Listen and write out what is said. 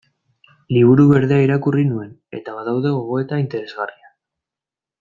Liburu Berdea irakurri nuen, eta badaude gogoeta interesgarriak.